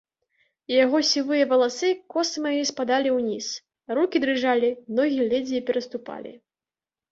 Яго сівыя валасы космамі спадалі ўніз, рукі дрыжалі, ногі ледзьве пераступалі.